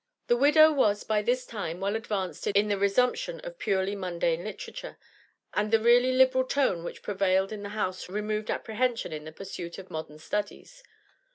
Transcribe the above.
The widow was by this time well advanced in the resumption of purely mundane literature, and the really liberal tone which prevailed in the house removed apprehension in the pursuit of modern studies.